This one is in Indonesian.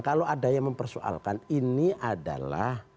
kalau ada yang mempersoalkan ini adalah